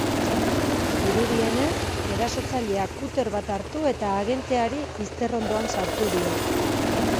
Dirudienez, erasotzaileak kuter bat hartu eta agenteari izterrondoan sartu dio.